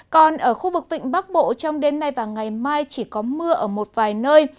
còn ở khu vực vịnh bắc bộ trong đêm nay và ngày mai chỉ có mưa ở một vài nơi